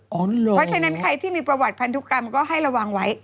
เพราะฉะนั้นใครที่มีประวัติพันธุกรรมก็ให้ระวังไว้